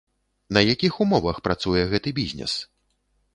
На якіх умовах працуе гэты бізнес?